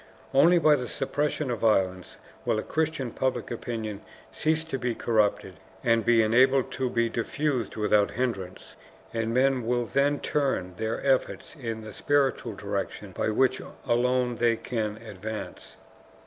Only by the suppression of violence will a Christian public opinion cease to be corrupted, and be enabled to be diffused without hindrance, and men will then turn their efforts in the spiritual direction by which alone they can advance.